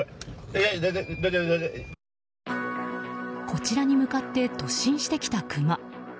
こちらに向かって突進してきたクマ。